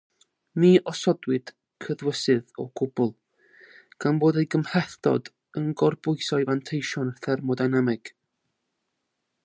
Ni osodwyd cyddwysydd o gwbl, gan bod ei gymhlethdod yn gorbwyso'i fanteision thermodynamig.